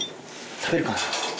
食べるかな？